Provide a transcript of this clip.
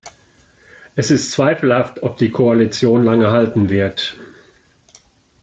Es ist zweifelhaft, ob die Koalition lange halten wird.